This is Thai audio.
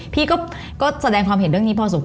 พี่ก็แสดงความเห็นเรื่องนี้พอสมคว